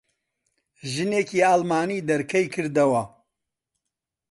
ژنێکی ئەڵمانی دەرکەی کردەوە.